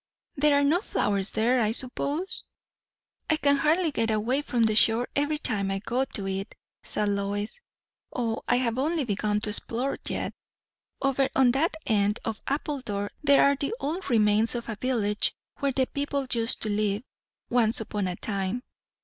"There are no flowers there, I suppose?" "I can hardly get away from the shore, every time I go to it," said Lois. "O, I have only begun to explore yet. Over on that end of Appledore there are the old remains of a village, where the people used to live, once upon a time.